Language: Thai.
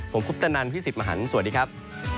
ผมพุทธนันทร์พี่สิทธิ์มหันธ์สวัสดีครับ